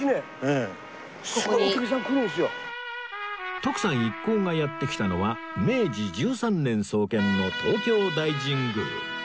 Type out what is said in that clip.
徳さん一行がやって来たのは明治１３年創建の東京大神宮